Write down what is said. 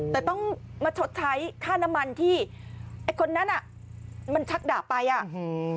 แต่ต้องมาชดใช้ค่าน้ำมันที่ไอ้คนนั้นอ่ะมันชักดาบไปอ่ะอืม